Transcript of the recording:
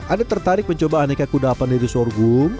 ada tertarik mencoba aneka kuda apa dari sorghum